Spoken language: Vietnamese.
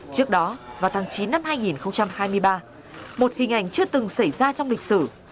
trước đó vào tháng chín năm hai nghìn hai mươi ba một hình ảnh chưa từng xảy ra trong lịch sử